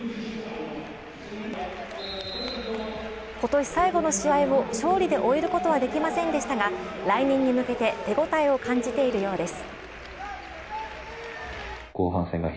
今年最後の試合を勝利で終えることはできませんでしたが来年に向けて手応えを感じているようです。